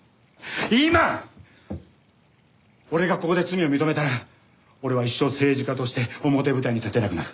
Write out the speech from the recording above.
今俺がここで罪を認めたら俺は一生政治家として表舞台に立てなくなる。